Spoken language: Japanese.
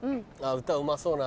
歌うまそうな。